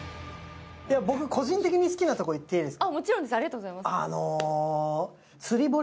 僕、個人的に好きなところを言っていいですか。